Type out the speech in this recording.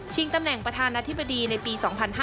ตำแหน่งประธานาธิบดีในปี๒๕๕๙